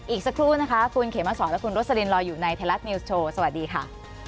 อีกสักครู่นะคะคุณเขมสอนและคุณโรสลินรออยู่ในไทยรัฐนิวส์โชว์สวัสดีค่ะ